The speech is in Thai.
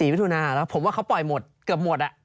๔วิทยุนาหรอผมว่าเขาปล่อยหมดเกือบหมดอ่ะ